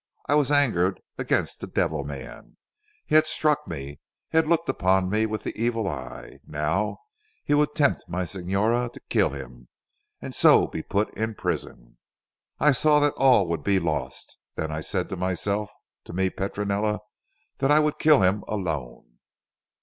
I was angered against the devil man. He had struck me; he had looked upon me with the evil eye. Now he would tempt my Signora to kill him and so be put in prison. I saw that all would be lost. Then I said to myself, to me Petronella, that I would kill him alone."